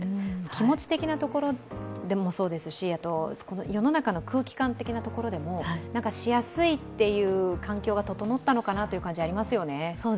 気持ち的なところでもそうですし、世の中の空気感のところでもしやすいっていう環境が整ったのかなという感じありますよね。